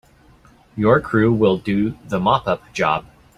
Your crew will do the mop up job.